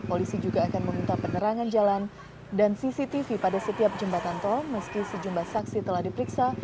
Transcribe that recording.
polisi juga akan meminta penerangan jalan dan cctv pada setiap jembatan tol meski sejumlah saksi telah diperiksa